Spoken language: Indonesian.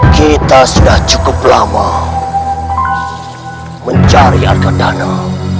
kita sudah cukup lama mencari argan danah